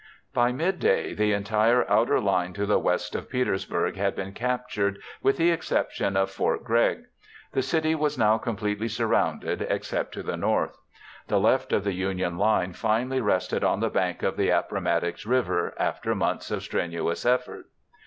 By midday the entire outer line to the west of Petersburg had been captured, with the exception of Fort Gregg. The city was now completely surrounded except to the north. The left of the Union line finally rested on the bank of the Appomattox River after months of strenuous effort.